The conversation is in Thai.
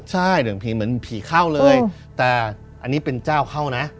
ใช่เหลืองผีเหมือนผีเข้าเลยแต่อันนี้เป็นเจ้าเข้านะ